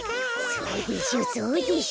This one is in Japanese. そうでしょそうでしょ。